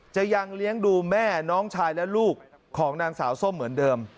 ยังเลี้ยงดูแม่น้องชายและลูกของนางสาวส้มเหมือนเดิม